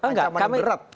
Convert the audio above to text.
ancaman yang berat